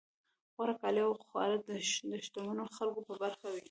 غوره کالي او خواړه د شتمنو خلکو په برخه وي.